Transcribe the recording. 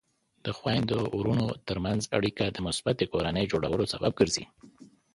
د خویندو ورونو ترمنځ اړیکې د مثبتې کورنۍ جوړولو سبب ګرځي.